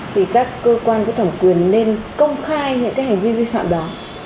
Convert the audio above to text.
thì các cơ quan có thẩm quyền nên công khai những cái hành vi vi phạm đó